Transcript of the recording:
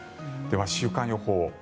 では、週間予報。